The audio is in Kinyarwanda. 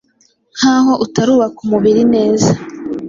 nk’aho utarubaka umubiri neza,